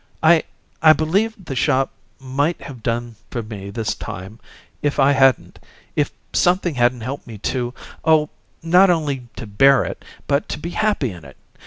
"I I believe the shop might have done for me this time if I hadn't if something hadn't helped me to oh, not only to bear it, but to be happy in it.